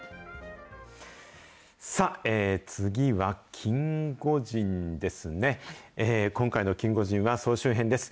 さあ、次はキンゴジンですね。